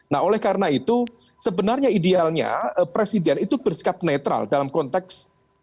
nah oleh karena itu sebenarnya idealnya presiden itu bersikap netral dalam konteks